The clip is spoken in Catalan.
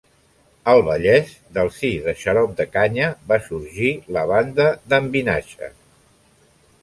Al Vallès, del si de Xarop de Canya, va sorgir La Banda d'en Vinaixa.